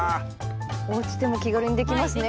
おうちでも気軽にできますね